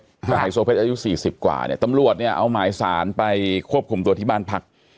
แต่ไฮโซเพชรอายุ๔๐กว่าเนี่ยตำรวจเนี่ยเอาหมายสารไปควบคุมตัวที่บ้านพัก